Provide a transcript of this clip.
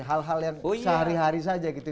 hal hal yang sehari hari saja gitu ya